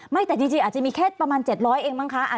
แต่จริงอาจจะมีแค่ประมาณ๗๐๐เองบ้างคะ